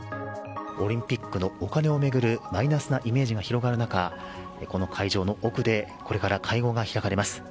オリンピックのお金を巡るマイナスなイメージが広がる中、この会場の奥でこれから会合が開かれます。